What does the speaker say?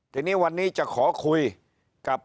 ทีนี้วันนี้จะขอคุยกับ